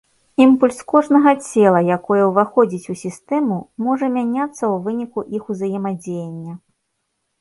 Імпульс кожнага цела, якое ўваходзіць у сістэму, можа мяняцца ў выніку іх узаемадзеяння.